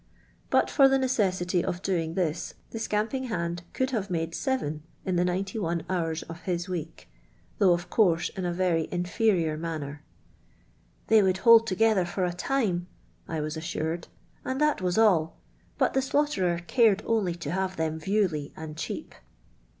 But for the necessity of doing this the scamping Lind could have node seven in the 91 hours of his week, though of course in a very inferior manner. "They would hold together for a time«" I was assured, " and that was all ; but the slaughterer cared only to have them viewly and cheap."